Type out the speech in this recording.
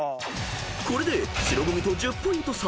［これで白組と１０ポイント差］